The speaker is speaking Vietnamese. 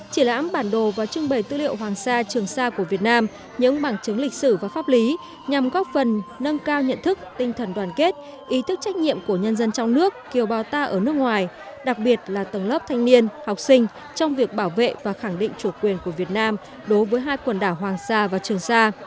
triển lãm bản đồ và trưng bày tư liệu hoàng sa trường sa của việt nam những bằng chứng lịch sử và pháp lý nhằm góp phần nâng cao nhận thức tinh thần đoàn kết ý thức trách nhiệm của nhân dân trong nước kiều bào ta ở nước ngoài đặc biệt là tầng lớp thanh niên học sinh trong việc bảo vệ và khẳng định chủ quyền của việt nam đối với hai quần đảo hoàng sa và trường sa